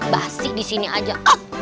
basi di sini aja